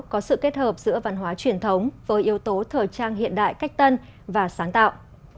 có sự kết hợp giữa văn hóa truyền thống với yếu tố thời trang hiện đại cách tân và sáng tạo